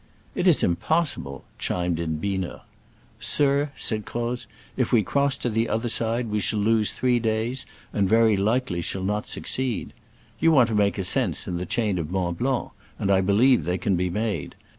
*' It is impossible," chimed in Biener. "Sir," said Croz, "if we cross to the other side we shall lose three days, and very likely shall not succeed. You want to make ascents in the chain of Mont Blanc, and I believe they can be made.